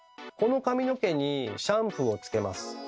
この髪の毛にシャンプーをつけます。